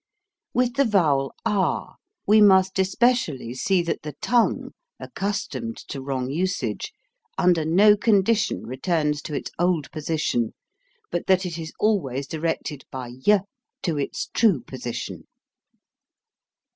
With the vowel ah we must especially see that the tongue, accustomed to wrong usage, under no condition returns to its old position but that it is always directed by y to its true position.